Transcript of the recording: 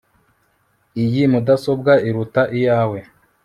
Iyi mudasobwa iruta iyawe